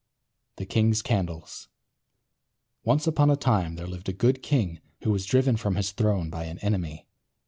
THE KING'S CANDLES Once upon a time there lived a good king who was driven from his throne by an enemy.